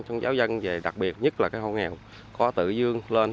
bà con giáo dân về đặc biệt nhất là cái hộ nghèo có tự dương lên